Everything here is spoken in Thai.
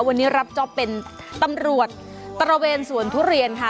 วันนี้รับจ๊อปเป็นตำรวจตระเวนสวนทุเรียนค่ะ